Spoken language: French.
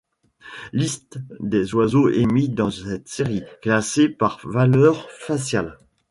Liste des oiseaux émis dans cette série, classée par valeur faciale.